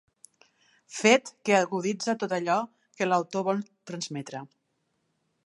Fet que aguditza tot allò que l’autor vol transmetre.